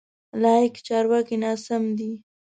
لایق: چارواکی ناسم دی.